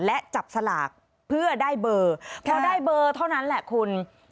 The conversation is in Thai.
และจับสลากเพื่อได้เบอร์พอได้เบอร์เท่านั้นแหละคุณ